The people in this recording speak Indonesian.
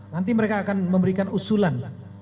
nanti mereka akan memberikan usulan